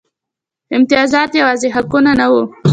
امتیازات یوازې حقونه نه وو.